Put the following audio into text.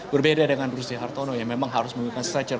berbeda dengan ruzdi hartono yang memang harus menggunakan stretcher